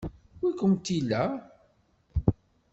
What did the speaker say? Wi kumt-illa?